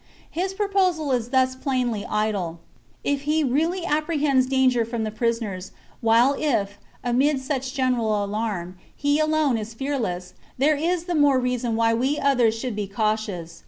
His proposal is thus plainly idle, if he really appre hends danger from the prisoners, while if, amid such general alarm, he alone is fearless, there is the more reason why we others should be cautious.